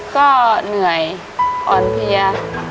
ก็เหนื่อยอ่อนเพลีย